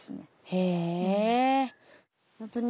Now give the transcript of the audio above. へえ。